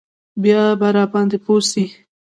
بيا به راباندې پوه سي.